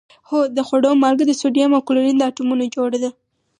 هو د خوړلو مالګه د سوډیم او کلورین له اتومونو جوړه ده